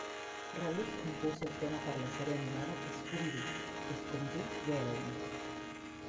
Raleigh compuso el tema para la serie animada Scooby-Doo, "Scooby-Doo, Where Are You".